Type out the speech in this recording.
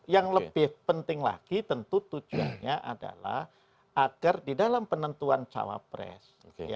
yang lebih penting lagi tentu tujuannya adalah agar di dalam penentuan cawapres